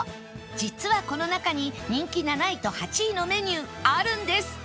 実はこの中に人気７位と８位のメニューあるんです